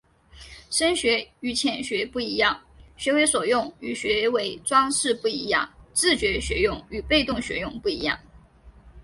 深学与浅学不一样、学为所用与学为‘装饰’不一样、自觉学用与被动学用不一样